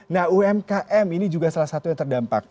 nah umkm ini juga salah satu yang terdampak